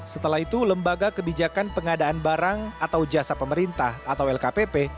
setelah itu lembaga kebijakan pengadaan barang atau jasa pemerintah atau lkpp